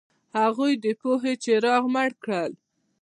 هغوی د پوهې څراغ مړ کړ.